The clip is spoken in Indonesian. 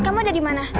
kamu udah dimana